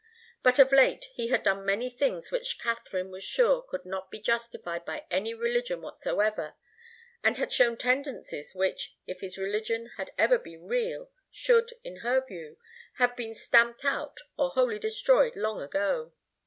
But of late he had done many things which Katharine was sure could not be justified by any religion whatsoever, and had shown tendencies which, if his religion had ever been real, should, in her view, have been stamped out or wholly destroyed long ago.